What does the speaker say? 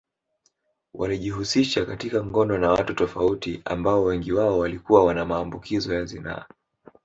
Walijihusisha katika ngono na watu tofauti ambao wengi wao walikuwa wana maambukizo ya zinaa